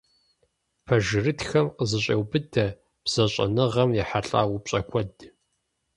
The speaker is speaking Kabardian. Пэжырытхэм къызэщӏеубыдэ бзэщӏэныгъэм ехьэлӏа упщӏэ куэд.